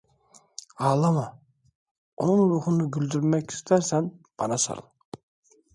Ağlama, onun ruhunu güldürmek istersen bana sarıl!